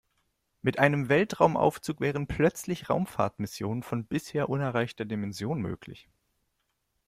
Mit einem Weltraumaufzug wären plötzlich Raumfahrtmissionen von bisher unerreichter Dimension möglich.